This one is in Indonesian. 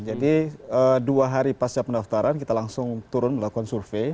jadi dua hari pasca pendaftaran kita langsung turun melakukan survei